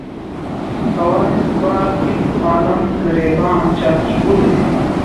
ہوائے صبح یک عالم گریباں چاکی گل ہے